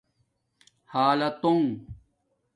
حلاتݸنگ